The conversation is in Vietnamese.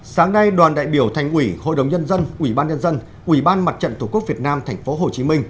sáng nay đoàn đại biểu thành ủy hội đồng nhân dân ủy ban nhân dân ủy ban mặt trận tổ quốc việt nam tp hcm